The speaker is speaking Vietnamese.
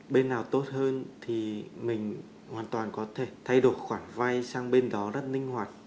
bên nào tốt hơn thì mình hoàn toàn có thể thay đổi khoản vay sang bên đó rất linh hoạt